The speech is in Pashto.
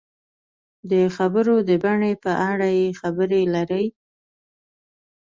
د خبرو د بڼې په اړه یې خبرې لري.